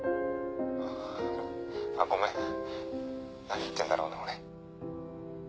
あっごめん何言ってんだろうな俺。